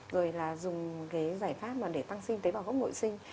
rồi là dùng cái giải pháp để tăng sinh tế bào gốc ngội sinh